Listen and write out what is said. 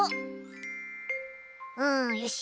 うんよし。